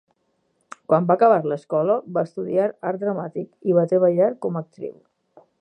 Quan va acabar l'escola, va estudiar Art Dramàtic i va treballar com a actriu.